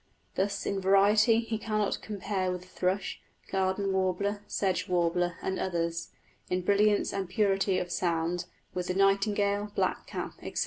Thus, in variety, he cannot compare with the thrush, garden warbler, sedge warbler, and others; in brilliance and purity of sound with the nightingale, blackcap, etc.